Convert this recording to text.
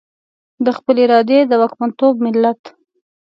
د خپلې ارادې د واکمنتوب ملت.